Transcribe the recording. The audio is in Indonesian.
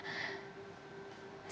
ditekan oleh pemerintah